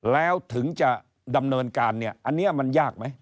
แล้วถึงจะดำเนินการเนี่ยอันนี้มันยากไหม